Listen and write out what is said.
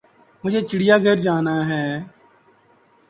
مجھے چڑیا گھر جانا ہے